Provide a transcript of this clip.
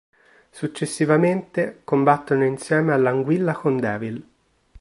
Successivamente, combattono insieme all'Anguilla con Devil.